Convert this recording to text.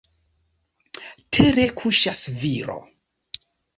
Tere kuŝas viro.